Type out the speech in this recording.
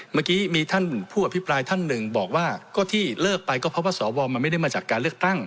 เมื่อกี้มีท่านผู้อภิปรายท่านหนึ่งบอกว่าก็ที่เลิกไปก็เพราะว่าสวมันไม่ได้มาจากการเลือกตั้ง